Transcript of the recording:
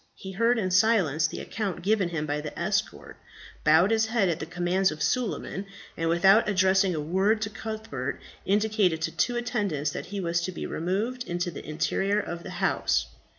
He heard in silence the account given him by the escort, bowed his head at the commands of Suleiman, and, without addressing a word to Cuthbert, indicated to two attendants that he was to be removed into the interior of the house.